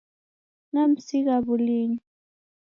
Namsigha wulinyi.